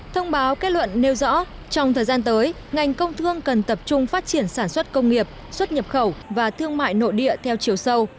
thông báo kết luận nêu rõ trong thời gian tới ngành công thương cần tập trung phát triển sản xuất công nghiệp xuất nhập khẩu và thương mại nội địa theo chiều sâu